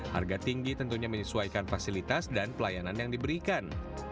harga tinggi tentunya menyesuaikan fasilitas dan pelayanan yang diberikan